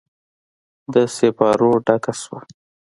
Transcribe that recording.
د سیپارو ډکه شوه